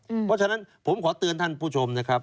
เพราะฉะนั้นผมขอเตือนท่านผู้ชมนะครับ